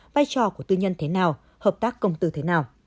vai trò của tư nhân thế nào hợp tác công tư thế nào